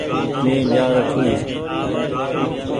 مينٚ جآرو ڇوٚنٚ